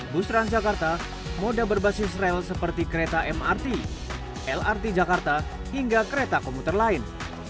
bus transjakarta moda berbasis rel seperti kereta mrt lrt jakarta hingga kereta komuter lain